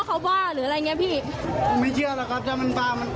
คุณพี่จะพูดคำเดียวว่าเด็กคุณย่าน่าสงสารมาก